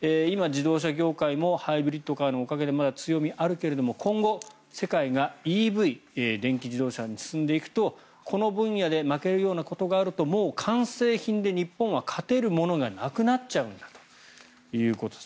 今、自動車業界もハイブリッドカーのおかげでまだ強みがあるけど今後、世界がＥＶ・電気自動車に進んでいくとこの分野で負けるようなことがあると、もう完成品で日本は勝てるものがなくなっちゃうんだということです。